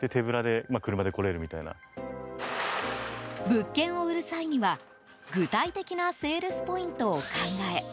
物件を売る際には具体的なセールスポイントを考え